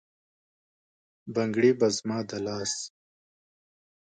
بنګړي به زما د لاس،